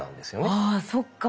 あそっか。